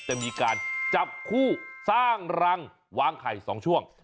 จะมีการจับคู่สร้างรังวางไข่๒ช่วง